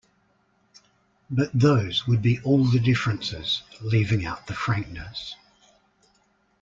But those would be all the differences, leaving out the frankness.